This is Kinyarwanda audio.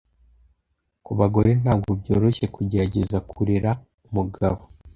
kubagore ntabwo byoroshye kugerageza kurera umugabo